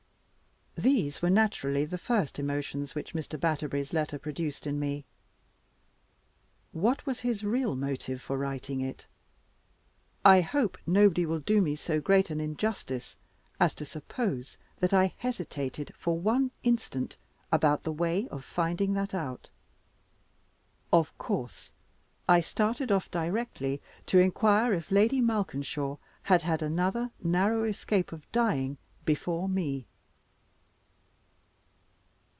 These were naturally the first emotions which Mr. Batterbury's letter produced in me. What was his real motive for writing it? I hope nobody will do me so great an injustice as to suppose that I hesitated for one instant about the way of finding that out. Of course I started off directly to inquire if Lady Malkinshaw had had another narrow escape of dying before me.